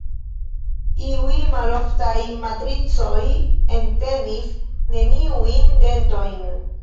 Iuj maloftaj matricoj entenis neniujn dentojn.